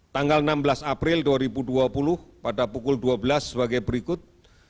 tanggal enam belas april dua ribu dua puluh pada pukul dua belas sebagai berikut